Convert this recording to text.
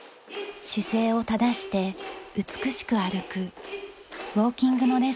姿勢を正して美しく歩くウォーキングのレッスンです。